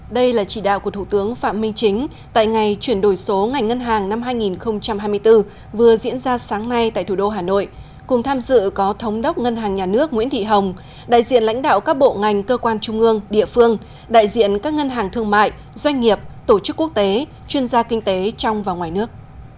đây là chỉ đạo của thủ tướng phạm minh chính tại ngày chuyển đổi số ngành ngân hàng năm hai nghìn hai mươi bốn vừa diễn ra sáng nay tại thủ đô hà nội cùng tham dự có thống đốc ngân hàng nhà nước nguyễn thị hồng đại diện lãnh đạo các bộ ngành cơ quan trung ương địa phương đại diện các ngân hàng thương mại doanh nghiệp tổ chức quốc tế chuyên gia kinh tế trong và ngoài nước